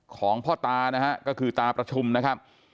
ของพ่อตานะฮะก็คือตาประชุมนะครับ